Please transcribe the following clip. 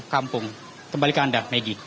kampung kembali ke anda maggie